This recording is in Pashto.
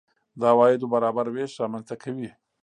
د عوایدو برابر وېش رامنځته کوي.